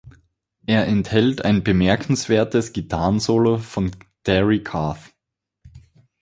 Er enthält ein bemerkenswertes Gitarrensolo von Terry Kath.